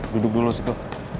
duduk dulu siko